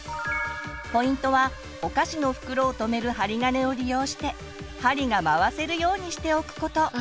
ポイントはお菓子の袋をとめる針金を利用して針が回せるようにしておくこと。